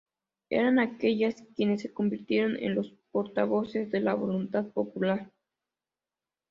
Eran ellas quienes se convirtieron en los portavoces de la voluntad popular.